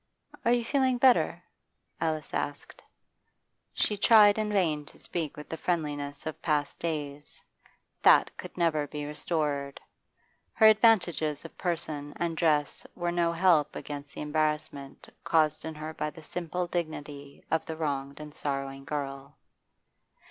'Are you feeling better?' Alice asked. She tried in vain to speak with the friendliness of past days; that could never be restored. Her advantages of person and dress were no help against the embarrassment caused in her by the simple dignity of the wronged and sorrowing girl.